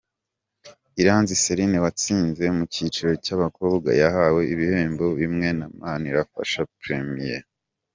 Iranzi Celine watsinze mu cyiciro cy'abakobwa yahawe ibihembo bimwe na Manirafasha premien.